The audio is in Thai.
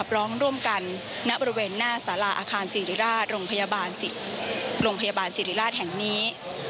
ร้องร่วมกันณบริเวณหน้าสาราอาคารศิริราชโรงพยาบาลสิริราชแห่งนี้